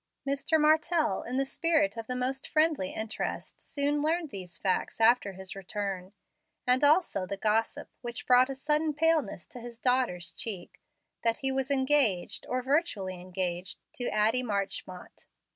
Mr. Martell, in the spirit of the most friendly interest, soon learned these facts after his return, and also the gossip, which brought a sudden paleness to his daughter's cheek, that he was engaged, or virtually engaged, to Addie Marchmont.